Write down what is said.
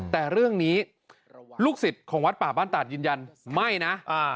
แต่เรื่องนี้ลูกศิษย์ของวัดป่าบ้านตาดยืนยันไม่นะ